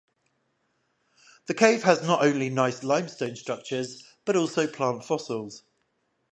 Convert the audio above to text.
The cave has not only nice limestone structures, but also plant fossils.